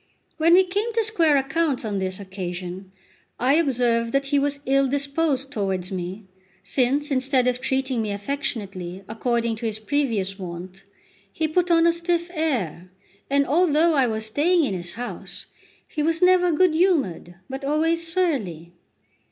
When we came to square accounts on this occasion, I observed that he was ill disposed towards me, since, instead of treating me affectionately, according to his previous wont, he put on a stiff air; and although I was staying in his house, he was never good humoured, but always surly.